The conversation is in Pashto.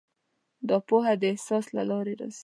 دا پوهه د احساس له لارې راځي.